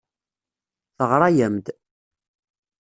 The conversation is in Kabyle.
Teɣra-am-d.